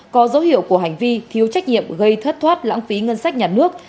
có dấu hiệu của hành vi thiếu trách nhiệm gây thất thoát lãng phí ngân sách nhà nước